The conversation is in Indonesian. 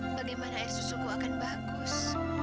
bagaimana air susuku akan bagus